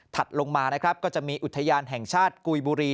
ลงมานะครับก็จะมีอุทยานแห่งชาติกุยบุรี